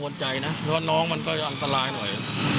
เพราะว่านี้คำที่สองไม่ความพึภาคลุกหน้าเลย